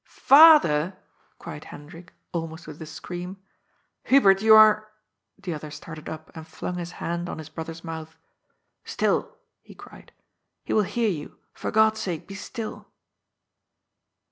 " Father I " cried Hendrik, almost with a scream. " Hu bert, you are " The other started up and flung his hand on his brother's mouth. " Still," he cried. " He wiU hear you. For God's sake, be still."